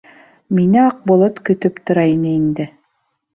Мине Аҡболот көтөп тора ине инде.